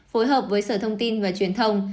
phối hợp với sở thông tin và truyền thông